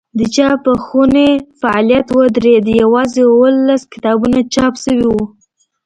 د چاپخونې فعالیت ودرېد یوازې اوولس کتابونه چاپ شوي وو.